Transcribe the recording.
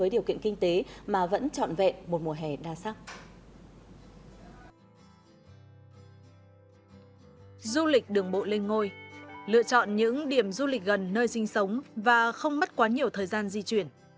du lịch đường bộ lên ngôi lựa chọn những điểm du lịch gần nơi sinh sống và không mất quá nhiều thời gian di chuyển